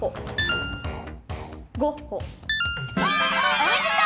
おめでとう！